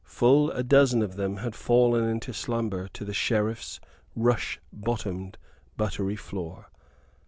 Full a dozen of them had fallen into slumber to the Sheriffs rush bottomed buttery floor.